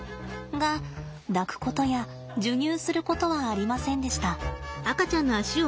が抱くことや授乳することはありませんでした。